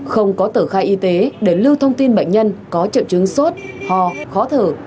không có tờ khai y tế để lưu thông tin bệnh nhân có trợ chứng sốt hò khó thử